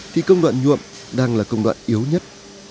thì công đoạn nhuộm đang là công đoạn yếu nhất